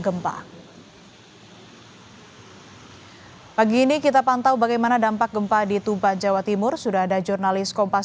hai pagi ini kita pantau bagaimana dampak gempa di tuban jawa timur sudah ada jurnalis kompas